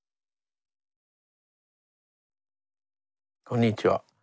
こんにちは。